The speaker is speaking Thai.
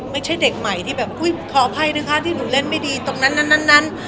ไม่ใช่เด็กใหม่ที่แบบอุ้ยขออภัยนะคะที่หนูเล่นไม่ดีตรงนั้นนั้น